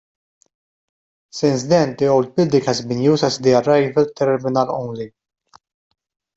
Since then, the old building has been used as the arrival terminal only.